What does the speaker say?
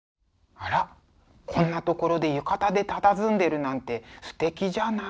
あらこんな所で浴衣でたたずんでるなんてすてきじゃない。